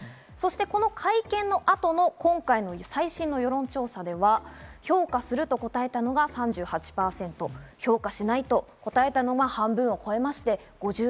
この会見の後の今回の最新の世論調査では、評価すると答えたのが３８％、評価しないと答えたのが半分を超えまして、５６％。